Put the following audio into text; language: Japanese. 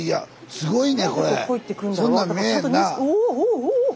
すごいな。